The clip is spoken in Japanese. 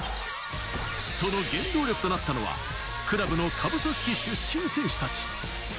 その原動力となったのがクラブの下部組織出身選手達。